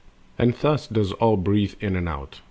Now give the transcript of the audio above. And thus does all breathe in and out.